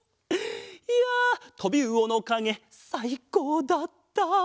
いやとびうおのかげさいこうだった。